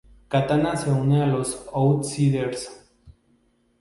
Katana se une a los Outsiders.